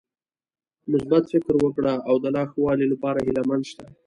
مثبت فکر وکړه او د لا ښوالي لپاره هيله مند شه .